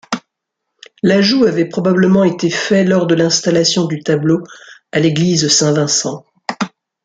L’ajout avait probablement était fait lors de l’installation du tableau à l’église Saint Vincent.